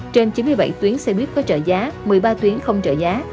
trên chín mươi bảy tuyến xe buýt có trợ giá một mươi ba tuyến không trợ giá